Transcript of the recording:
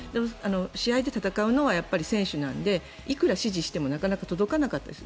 試合で戦うのはやっぱり選手なのでいくら指示してもなかなか届かなかったりする。